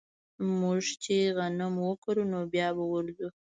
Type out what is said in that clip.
موږ چې غنم وکرو نو بيا به ورځو